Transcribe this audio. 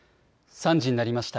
３時になりました。